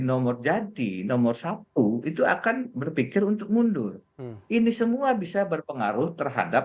nomor jadi nomor satu itu akan berpikir untuk mundur ini semua bisa berpengaruh terhadap